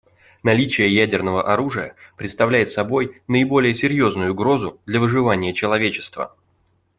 Наличие ядерного оружия представляет собой наиболее серьезную угрозу для выживания человечества.